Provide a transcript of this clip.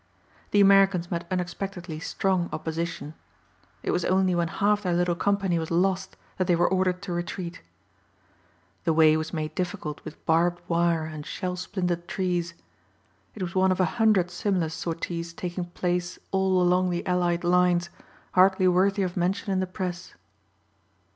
The Americans met unexpectedly strong opposition. It was only when half their little company was lost that they were ordered to retreat. The way was made difficult with barbed wire and shell splintered trees. It was one of a hundred similar sorties taking place all along the Allied lines hardly worthy of mention in the press.